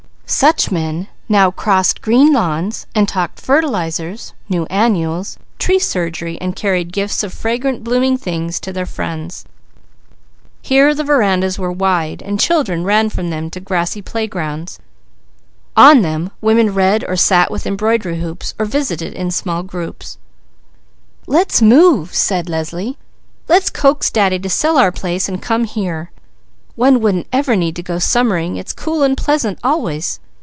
Such men now crossed green lawns and talked fertilizers, new annuals, tree surgery, and carried gifts of fragrant, blooming things to their friends. Here the verandas were wide and children ran from them to grassy playgrounds; on them women read or sat with embroidery hoops or visited in small groups. "Let's move," said Leslie. "Let's coax Daddy to sell our place and come here. One wouldn't ever need go summering, it's cool and pleasant always.